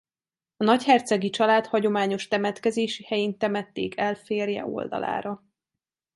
A nagyhercegi család hagyományos temetkezési helyén temették el férje oldalára.